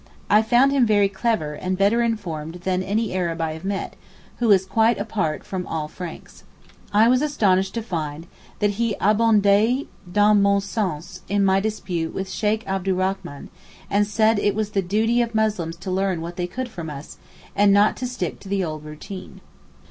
I found him very clever, and better informed than any Arab I have met, who is quite apart from all Franks. I was astonished to find that he abondait dans man sens in my dispute with Sheykh Abdurrachman, and said that it was the duty of Muslims to learn what they could from us, and not to stick to the old routine.